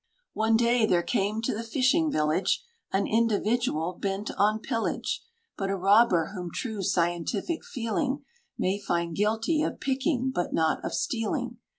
One day there came to the fishing village An individual bent on pillage; But a robber whom true scientific feeling May find guilty of picking, but not of stealing.